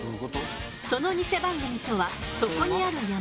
その偽番組とは「そこにある山」。